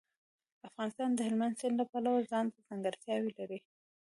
افغانستان د هلمند سیند له پلوه ځانته ځانګړتیاوې لري.